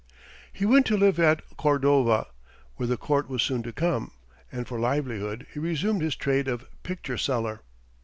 He went to live at Cordova, where the court was soon to come, and for livelihood he resumed his trade of picture seller.